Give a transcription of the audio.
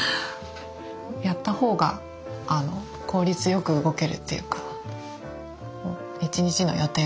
やった方が効率よく動けるっていうか一日の予定が立てやすい。